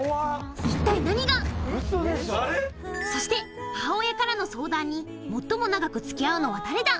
嘘っ！？・怖そして母親からの相談に最も長く付き合うのは誰だ？